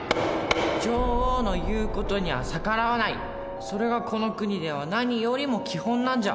女王の言う事には逆らわないそれがこの国では何よりも基本なんじゃ。